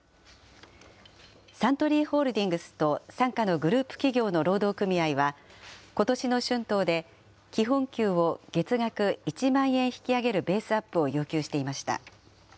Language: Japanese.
サントリーホールディングスと傘下のグループ企業の労働組合は、ことしの春闘で、基本給を月額１万円引き上げるベースアップを要求していました。